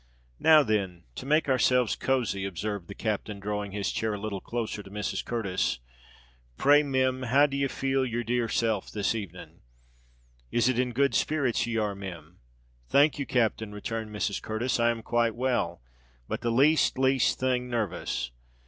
"Now then to make ourselves cozie," observed the captain, drawing his chair a little closer to Mrs. Curtis. "Pray, Mim, how d'ye feel your dear self this evening?—is it in good spirits ye are, Mim?" "Thank you, captain," returned Mrs. Curtis, "I am quite well—but the least, least thing nervous.